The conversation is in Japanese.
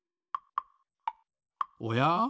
おや？